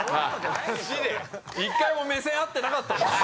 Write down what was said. １回も目線合ってなかったじゃん。